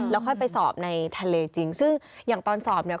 แล้วค่อยไปสอบในทะเลจริงซึ่งอย่างตอนสอบเนี่ย